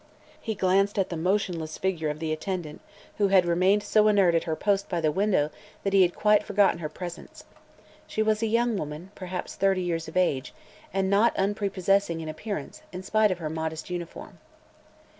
He glanced at the motionless figure of the attendant, who had remained so inert at her post by the window that he had quite forgotten her presence. She was a young woman, perhaps thirty years of age, and not unprepossessing in appearance, in spite of her modest uniform.